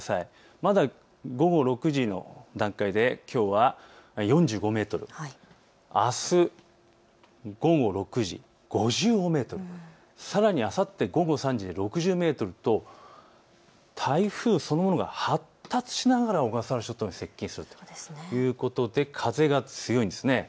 まだ午後６時の段階できょうは４５メートル、あす午後６時、５５メートル、さらにあさって午後３時で６０メートルと台風そのものが発達しながら小笠原諸島に接近するということで風が強いんです。